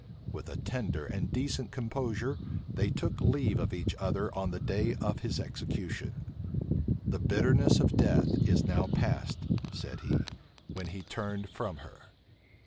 With a tender and decent composure they took leave of each other on the day of his execution. "The bitterness of death is now past," said he, when he turned from her.